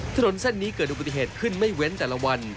ถนนเส้นนี้เกิดอุบัติเหตุขึ้นไม่เว้นแต่ละวัน